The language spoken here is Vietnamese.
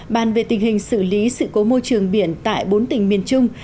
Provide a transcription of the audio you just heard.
bàn về tình hình xử lý sự cố môi trường biển tại bốn tỉnh miền trung